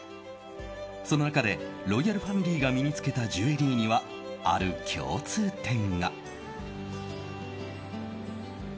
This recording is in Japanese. その中で、ロイヤルファミリーが身に着けたジュエリーにはある共通点が。